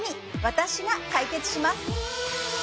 私が解決します